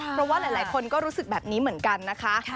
เพราะว่าหลายคนก็รู้สึกแบบนี้เหมือนกันนะคะ